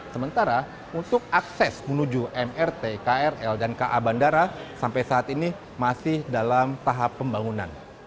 sementara untuk akses menuju mrt krl dan ka bandara sampai saat ini masih dalam tahap pembangunan